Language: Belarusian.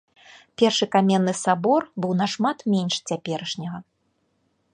Першы каменны сабор быў нашмат менш цяперашняга.